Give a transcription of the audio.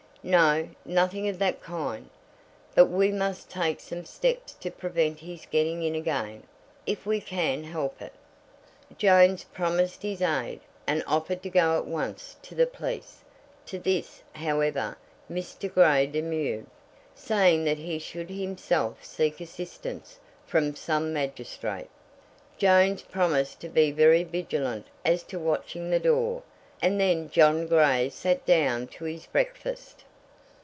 "No; nothing of that kind. But we must take some steps to prevent his getting in again, if we can help it." Jones promised his aid, and offered to go at once to the police. To this, however, Mr. Grey demurred, saying that he should himself seek assistance from some magistrate. Jones promised to be very vigilant as to watching the door; and then John Grey sat down to his breakfast.